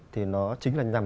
thì nó chính là nhằm